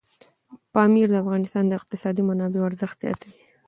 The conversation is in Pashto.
پامیر د افغانستان د اقتصادي منابعو ارزښت زیاتوي.